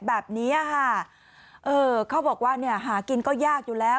แบบนี้ค่ะเออเขาบอกว่าเนี่ยหากินก็ยากอยู่แล้ว